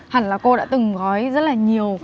hẳn là cô đã từng gói rất là nhiều